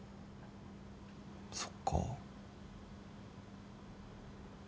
そっかぁ。